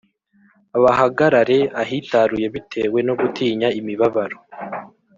bahagarare ahitaruye bitewe no gutinya imibabaro